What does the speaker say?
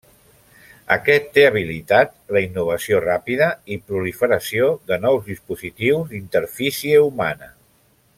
Aquest té habilitat la innovació ràpida i proliferació de nous dispositius d'interfície humana.